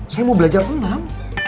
saya mau belajar senam